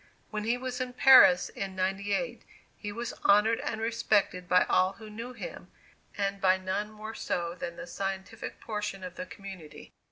When he was in Paris in '98, he was honored and respected by all who knew him, and by none more so than by the scientific portion of the community.